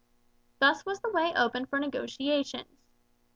Thus was the way opened for negotiations.